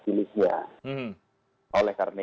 pilihnya oleh karena